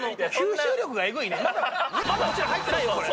まだうちら入ってないよそれ。